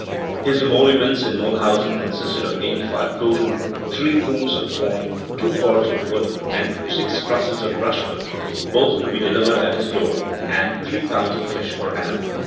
His emoluments in Miihlhausen consisted of 85 gulden, 3 coombs of corn, 2 cords of wood and 6 trusses of brushwood, both to be delivered at his door and 3 pounds of fish per annum.